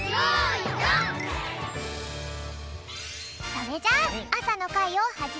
それじゃあさのかいをはじめるぴょん！